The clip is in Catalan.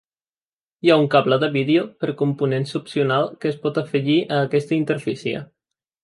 Hi ha un cable de vídeo per components opcional que es pot afegir a aquesta interfície.